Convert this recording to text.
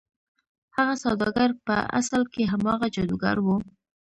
هغه سوداګر په اصل کې هماغه جادوګر و.